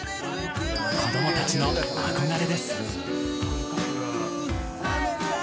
子どもたちの憧れです。